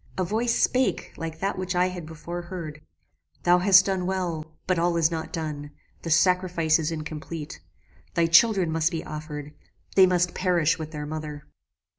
A voice spake like that which I had before heard 'Thou hast done well; but all is not done the sacrifice is incomplete thy children must be offered they must perish with their mother!